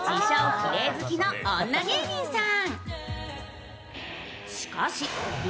きれい好きの女芸人さん。